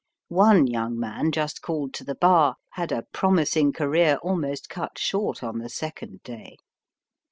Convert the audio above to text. One young man, just called to the bar, had a promising career almost cut short on the second day.